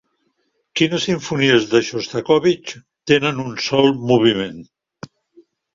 Quines simfonies de Xostakóvitx tenen un sol moviment?